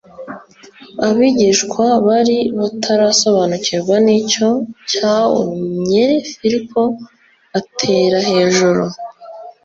Abigishwa bari batarasobanukirwa, ni cyo cyauunye Filipo atera hejuru